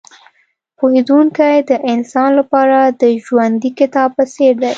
پوهېدونکی د انسان لپاره د ژوندي کتاب په څېر دی.